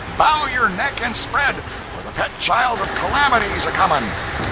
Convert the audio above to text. bow your neck and spread, for the pet child of calamity's a coming!'